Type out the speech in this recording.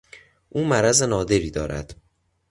او مرض نادری دارد.